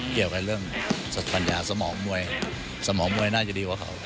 เกี่ยวกับเรื่องปัญญาสมองมวยสมองมวยน่าจะดีกว่าเขา